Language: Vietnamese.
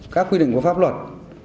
các quy định của pháp luật